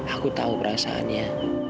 aku tahu perasaannya